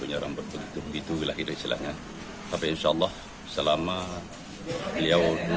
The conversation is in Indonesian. punya rambut begitu begitu lah kira kira istilahnya tapi insyaallah selama beliau